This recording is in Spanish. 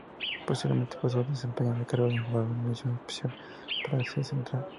Posteriormente pasó a desempeñar el cargo de Embajador en Misión Especial para Asia Central.